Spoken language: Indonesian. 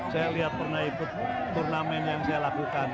saya lihat pernah ikut turnamen yang saya lakukan